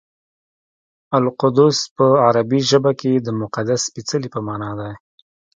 القدس په عربي ژبه کې د مقدس سپېڅلي په مانا دی.